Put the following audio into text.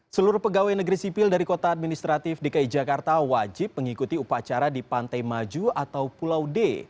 seluruh pegawai negeri sipil dari kota administratif dki jakarta wajib mengikuti upacara di pantai maju atau pulau d